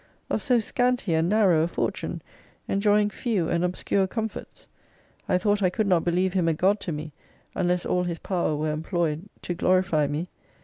Of so scanty and narrow a fortune, enjoying few and obscure comforts? I thought I could not believe Him a God to me, unless all His power were employed to glorify me.